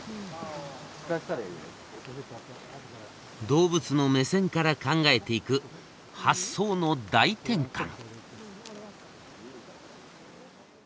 動物の目線から考えていく発想の大転換。